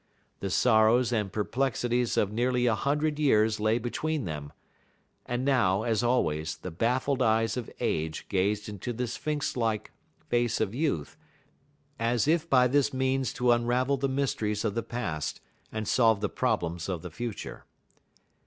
The sorrows and perplexities of nearly a hundred years lay between them; and now, as always, the baffled eyes of age gazed into the Sphinx like face of youth, as if by this means to unravel the mysteries of the past and solve the problems of the future.